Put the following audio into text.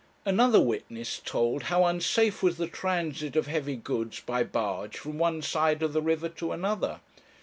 Another witness told how unsafe was the transit of heavy goods by barge from one side of the river to another.